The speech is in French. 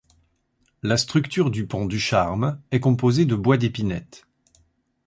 La structure du pont Ducharme est composée de bois d'épinette.